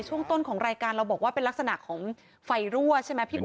ช่วงต้นของรายการเราบอกว่าเป็นลักษณะของไฟรั่วใช่ไหมพี่ปุ